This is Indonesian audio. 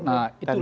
nah itu lagi